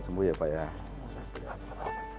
selamat pagi dr iwan